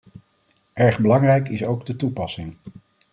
Erg belangrijk is ook de toepassing.